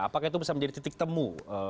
apakah itu bisa menjadi titik temu